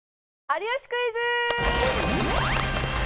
『有吉クイズ』！